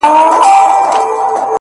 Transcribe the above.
• د ميني ننداره ده ـ د مذهب خبره نه ده ـ